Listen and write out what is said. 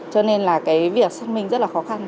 cho nên là cái việc xác minh rất là khó khăn